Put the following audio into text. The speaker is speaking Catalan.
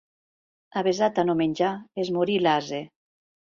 Avesat a no menjar, es morí l'ase.